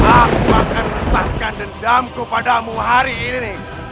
aku akan letakkan dendamku padamu hari ini